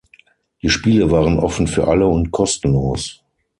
Die Spiele waren offen für alle und kostenlos.